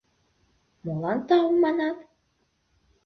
— Молан тау манат?